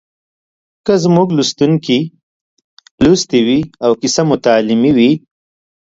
که زموږ لوستونکي لوستې وي او کیسه مو تعلیمي وي